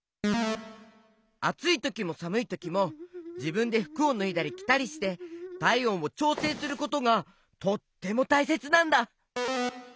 あついときもさむいときもじぶんでふくをぬいだりきたりしてたいおんをちょうせいすることがとってもたいせつなんだ。